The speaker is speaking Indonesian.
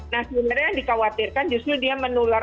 nah sebenarnya yang dikhawatirkan justru dia menular